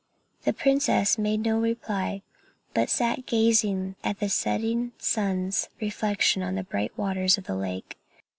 The princess made no reply, but sat gazing at the setting sun's reflection in the bright waters of the lake.